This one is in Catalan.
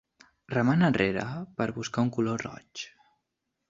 Remant enrere per buscar un color roig.